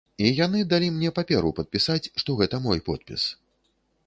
І яны далі мне паперу падпісаць, што гэта мой подпіс.